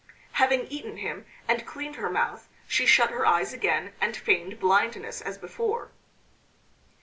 Having eaten him and cleaned her mouth she shut her eyes again and feigned blindness as before.